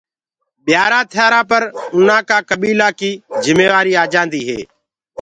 ٻيآرآ ٿيآرآ پر اُنآ ڪي ڦيمليو ڪي جِميوآري آجآندي هي۔